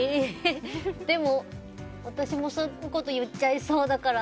でも、私もそういうこと言っちゃいそうだから。